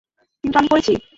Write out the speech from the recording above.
কিন্তু আমি করেছি।